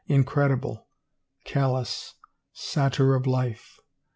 In credible ... callous ... satyr of life.